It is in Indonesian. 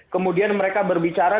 kemudian mereka berbicara